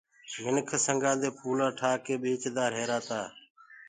منک سنگآ دي ڦولآ ٺآڪي ٻيچدآ رهيرآ تآ۔